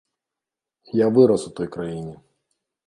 Я вырас у той краіне.